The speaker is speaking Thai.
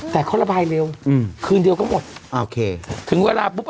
แต่เขาระบายเร็วอืมคืนเดียวก็หมดโอเคถึงเวลาปุ๊บ